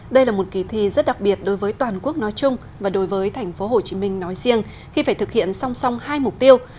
đây là một kỳ thi rất đặc biệt đối với toàn quốc nói chung và đối với tp hcm nói riêng khi phải thực hiện song song hai mục tiêu